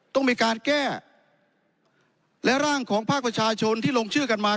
ต้องมีการแก้และร่างของภาคประชาชนที่ลงชื่อกันมา